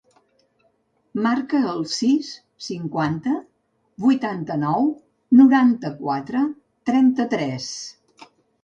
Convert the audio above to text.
Marca el sis, cinquanta, vuitanta-nou, noranta-quatre, trenta-tres.